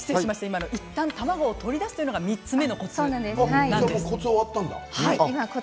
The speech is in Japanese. いったん卵を取り出すというのが３つ目のコツなんです。